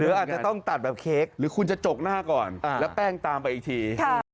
อาจจะต้องตัดแบบเค้กหรือคุณจะจกหน้าก่อนแล้วแป้งตามไปอีกที